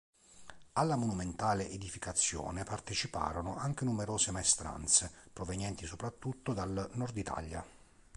Alla monumentale edificazione parteciparono anche numerose maestranze provenienti soprattutto dal nord Italia.